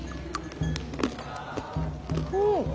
うん！